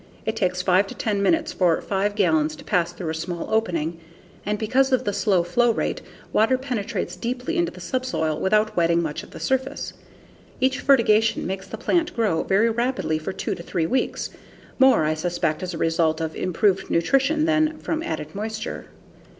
It takes 5 to 10 minutes for 5 gallons to pass through a small opening, and because of the slow flow rate, water penetrates deeply into the subsoil without wetting much of the surface. Each fertigation makes the plant grow very rapidly for two to three weeks, more I suspect as a result of improved nutrition than from added moisture.